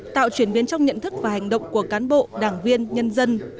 tạo chuyển biến trong nhận thức và hành động của cán bộ đảng viên nhân dân